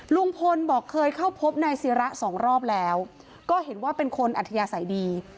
ลุงพลบอกเคยเข้าพบนายศิระสองรอบแล้วก็เห็นว่าเป็นคนอัธยาศัยดี